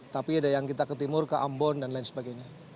tapi ada yang kita ke timur ke ambon dan lain sebagainya